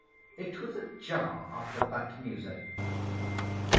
It was a jar after that music.